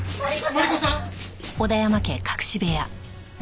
マリコさん！